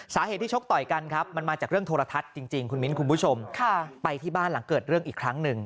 สาเหตุที่ชกต่อยกันครับมันมาจากเรื่องโทรทัศน์จริงคุณมิ้นคุณผู้ชมไปที่บ้านหลังเกิดเรื่องอีกครั้งหนึ่ง